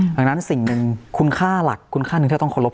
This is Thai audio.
ดังนั้นสิ่งหนึ่งคุณค่าหลักคุณค่าหนึ่งที่เราต้องเคารพ